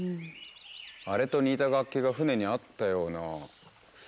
あれと似た楽器が船にあったような。